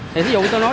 thì ví dụ tôi nói